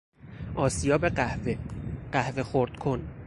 آسیاب قهوه، قهوه خرد کن